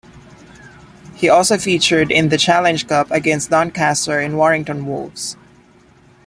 He also featured in the Challenge Cup against Doncaster and Warrington Wolves.